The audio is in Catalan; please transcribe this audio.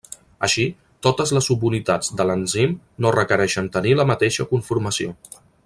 Així, totes les subunitats de l'enzim no requereixen tenir la mateixa conformació.